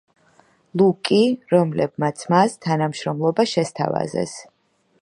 ლუკი, რომლებმაც მას თანამშრომლობა შესთავაზეს.